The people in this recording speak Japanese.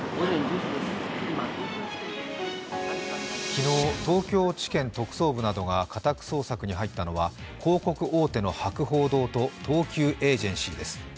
昨日東京地検特捜部が家宅捜索に入ったのは広告大手の博報堂と東急エージェンシーです。